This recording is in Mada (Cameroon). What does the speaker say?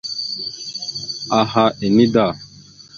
Aha ene da.